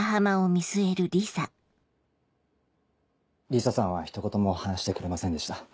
リサさんはひと言も話してくれませんでした。